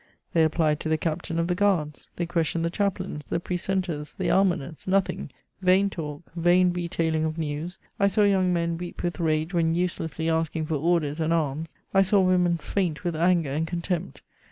They applied to the captain of the guards; they questioned the chaplains, the precentors, the almoners: nothing. Vain talk, vain retailing of news. I saw young men weep with rage when uselessly asking for orders and arms; I saw women faint with anger and contempt.